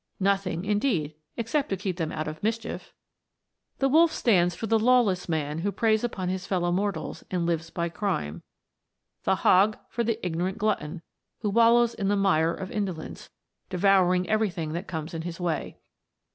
Nothing, indeed, except to keep them out of mischief! The wolf stands for the lawless man who preys upon his fellow mortals and lives by crime ; the hog for the ignorant glutton who wallows in the mire of indo lence, devouring everything that comes in his way.